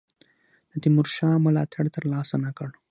د تیمورشاه ملاتړ تر لاسه نه کړ.